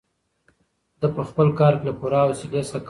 ده په خپل کار کې له پوره حوصلې څخه کار اخیست.